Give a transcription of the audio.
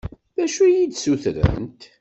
D acu i yi-d-ssutrent?